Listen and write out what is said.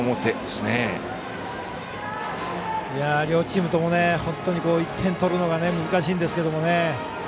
両チームとも本当に１点取るのも難しいんですけどもね。